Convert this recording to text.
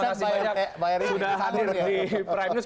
terima kasih banyak sudah hadir di prime news